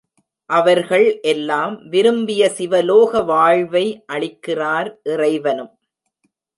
அவர்கள் எல்லாம் விரும்பிய சிவலோக வாழ்வை அளிக்கிறார் இறைவனும்.